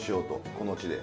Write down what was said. この地で。